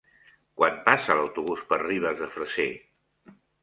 Quan passa l'autobús per Ribes de Freser?